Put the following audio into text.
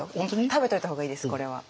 食べといた方がいいですこれは。